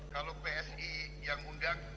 kalau psi yang undang pasti saya datang